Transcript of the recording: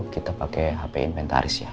kita pakai hp inventaris ya